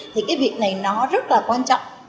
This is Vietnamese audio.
thì việc này rất quan trọng